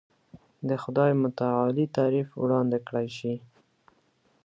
د خدای متعالي تعریف وړاندې کړای شي.